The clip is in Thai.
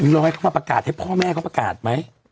ร้อยเขามาประกาศให้พ่อแม่เขาประกาศไหม